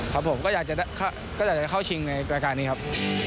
ครับผมก็อยากจะเข้าชิงในรายการนี้ครับ